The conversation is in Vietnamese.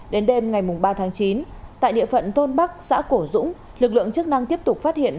đến đêm ngày ba tháng chín tại địa phận thôn bắc xã cổ dũng lực lượng chức năng tiếp tục phát hiện